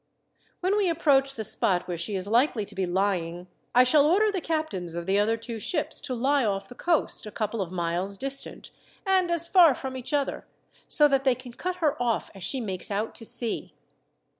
"When we approach the spot where she is likely to be lying, I shall order the captains of the other two ships to lie off the coast, a couple of miles distant and as far from each other, so that they can cut her off as she makes out to sea.